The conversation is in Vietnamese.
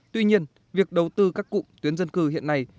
tuy nhiên việc đầu tư các cụm tuyến dân cư hiện nay